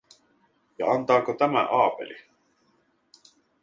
Ja antaako tämä Aapeli?